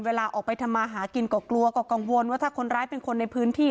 เวลาออกไปทำมาหากินก็กลัวก็กังวลว่าถ้าคนร้ายเป็นคนในพื้นที่